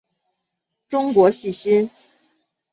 中国细辛